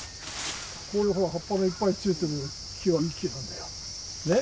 こういうほら葉っぱがいっぱいついてる木はいい木なんだよねっ。